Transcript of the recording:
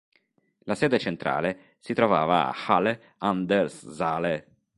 La sede centrale si trovava a Halle an der Saale.